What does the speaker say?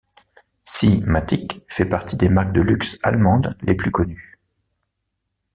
SieMatic fait partie des marques de luxe allemandes les plus connues.